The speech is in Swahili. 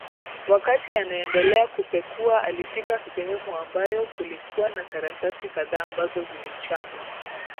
Wakati anaendelea kupekua alifika sehemu ambayo kulikuwa na karatasi kadhaa ambazo zilichanwa